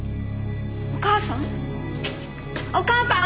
お母さん？